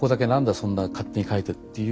そんな勝手に書いて」っていう